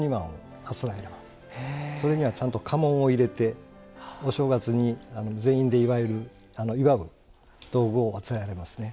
それにはちゃんと家紋を入れてお正月に全員で祝う道具をあつらわれますね。